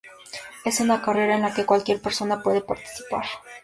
Es una carrera en la que cualquier persona puede participar.